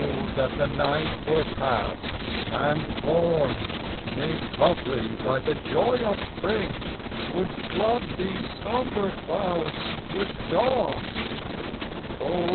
that the night were passed, and morn, Made lovely by the joy of spring, Would flood these sombre clouds with dawn, Oh!